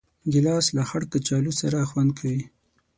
ګیلاس له خړ کچالو سره خوند کوي.